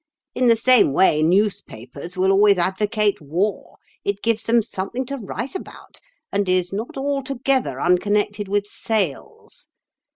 In the same way newspapers will always advocate war; it gives them something to write about, and is not altogether unconnected with sales.